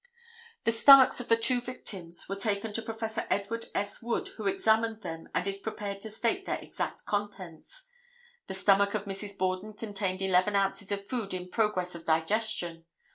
The stomachs of the two victims were taken to Prof. Edward S. Wood, who examined them and is prepared to state their exact contents. The stomach of Mrs. Borden contained eleven ounces of food in progress of digestion.